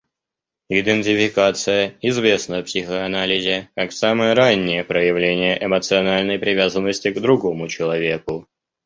Идентификация известна в психоанализе как самое раннее проявление эмоциональной привязанности к другому человеку.